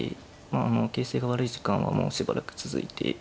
もう形勢が悪い時間がしばらく続いて。